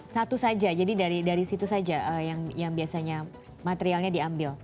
satu saja jadi dari situ saja yang biasanya materialnya diambil